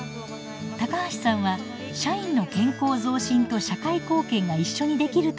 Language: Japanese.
高橋さんは社員の健康増進と社会貢献が一緒にできると考えました。